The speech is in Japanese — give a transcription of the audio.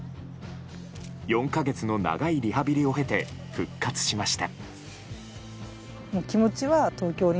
４か月の長いリハビリを経て復活しました。